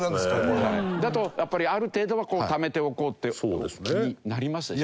だとやっぱりある程度はためておこうって気になりますでしょ？